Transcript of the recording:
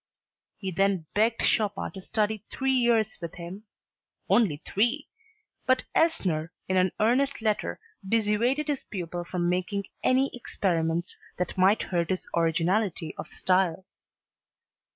He then begged Chopin to study three years with him only three! but Elsner in an earnest letter dissuaded his pupil from making any experiments that might hurt his originality of style.